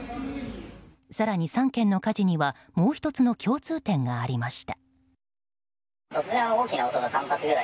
更に３件の火事にはもう１つの共通点がありました。